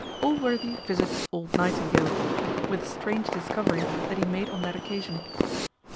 Allworthy visits old Nightingale; with a strange discovery that he made on that occasion.